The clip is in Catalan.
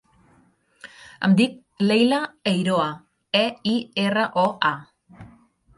Em dic Leila Eiroa: e, i, erra, o, a.